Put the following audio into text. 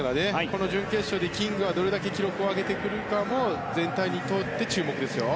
この準決勝でキングがどれだけ記録を上げてくるかも全体にとって注目ですよ。